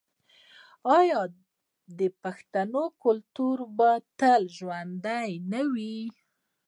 آیا د پښتنو کلتور به تل ژوندی نه وي؟